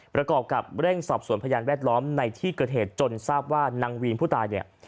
ประกอบกับเร่งสอบสวนพยานแวดล้อมในที่เกิดเหตุจนทราบว่านางวีนผู้ตายเนี่ย